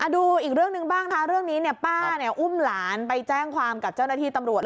ดูอีกเรื่องหนึ่งบ้างค่ะเรื่องนี้ป้าอุ้มหลานไปแจ้งความกับเจ้าหน้าที่ตำรวจ